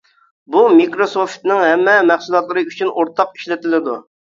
بۇ مىكروسوفتنىڭ ھەممە مەھسۇلاتلىرى ئۈچۈن ئورتاق ئىشلىتىلىدۇ.